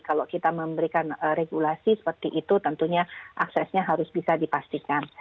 kalau kita memberikan regulasi seperti itu tentunya aksesnya harus bisa dipastikan